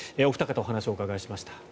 お二方お話をお伺いしました。